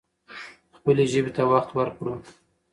خپلې ژبې ته وخت ورکړو.